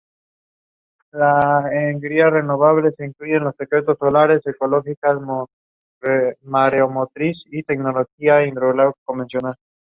She finished both races in last place as she struggled to find the pace.